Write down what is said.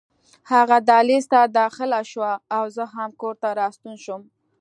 هغه دهلېز ته داخله شوه او زه هم کور ته راستون شوم.